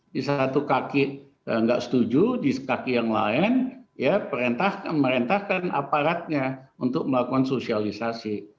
di satu kaki nggak setuju di kaki yang lain ya perintahkan aparatnya untuk melakukan sosialisasi